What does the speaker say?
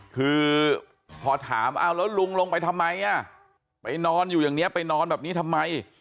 คือพอถามเอาแล้วลุงลงไปทำไมไปนอนอยู่อย่างนี้ไปนอนแบบนี้ทำไม